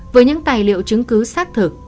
với những tài liệu chứng cứ xác thực